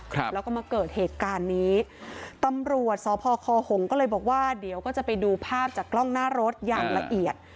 ครับแล้วก็มาเกิดเหตุการณ์นี้ตำรวจสพคหงก็เลยบอกว่าเดี๋ยวก็จะไปดูภาพจากกล้องหน้ารถอย่างละเอียด